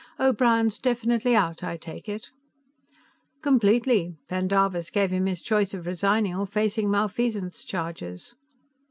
"O'Brien's definitely out, I take it?" "Completely. Pendarvis gave him his choice of resigning or facing malfeasance charges."